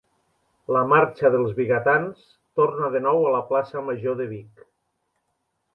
La Marxa dels Vigatans torna de nou a la plaça Major de Vic